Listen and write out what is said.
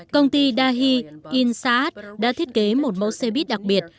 công ty dahi insat đã thiết kế một mẫu xe buýt đặc biệt